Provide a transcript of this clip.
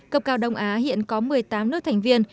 cấp cao đông á hiện có một mươi tám nước thành viên